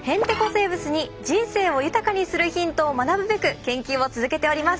生物に人生を豊かにするヒントを学ぶべく研究を続けております。